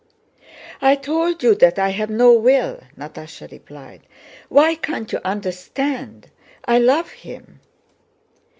"I told you that I have no will," Natásha replied. "Why can't you understand? I love him!"